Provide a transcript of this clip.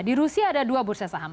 di rusia ada dua bursa saham